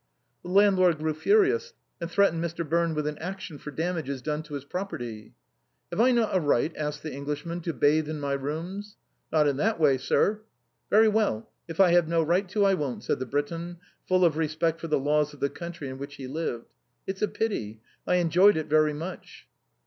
The landlord grew furious, and threatened Mr. Birne with an action for damages done to his property. " Have I not a right," asked the Englishman, " to bathe in my rooms ?"" Not in that way, sir." "Very well, if I have no right to, I won't," said the Briton, full of respect for the laws of the country in which he lived. " It's a pity; I enjoyed it very much."